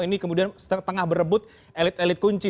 ini kemudian tengah berebut elit elit kunci